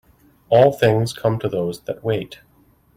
All things come to those that wait.